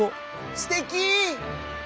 「すてき！」。